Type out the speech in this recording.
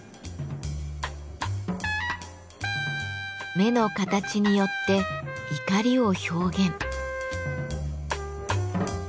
目の形によって怒りを表現。